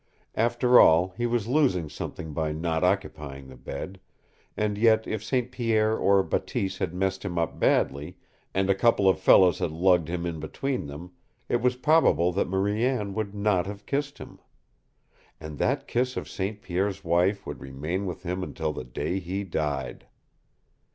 After all, he was losing something by not occupying the bed and yet if St. Pierre or Bateese had messed him up badly, and a couple of fellows had lugged him in between them, it was probable that Marie Anne would not have kissed him. And that kiss of St. Pierre's wife would remain with him until the day he died!